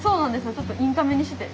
ちょっとインカメにしてて。